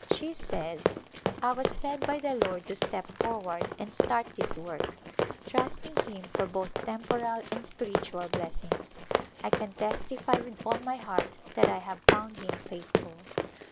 She says, " I was led by the Lord to step forward and start this work, trusting Him for both temporal and spiritual blessings. I can testify with all my heart that I have found Him faithful."